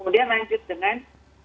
kemudian lanjut dengan